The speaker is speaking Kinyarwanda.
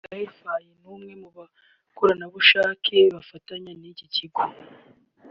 Gael Faye n'umwe mu bakorerabushake bafatanya n'iki kigo